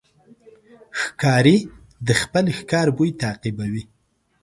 ښکاري د خپل ښکار بوی تعقیبوي.